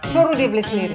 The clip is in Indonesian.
suruh dia beli sendiri